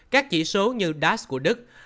các chỉ số như das của đức